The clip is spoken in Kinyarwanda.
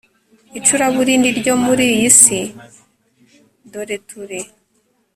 icuraburindi ryo muri iyi si dore turi